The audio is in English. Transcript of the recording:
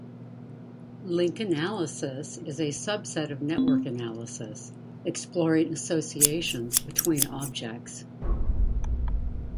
Link analysis is a subset of network analysis, exploring associations between objects.